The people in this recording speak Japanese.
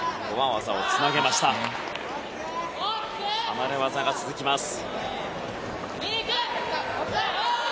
離れ技が続きます。